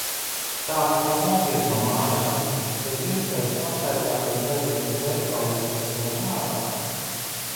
Tā, ka pa nopietno mājās. Bez iespējas pastaigāties, aiziet uz veikalu, izvest suni ārā?